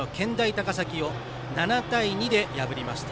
高崎を７対２で破りました。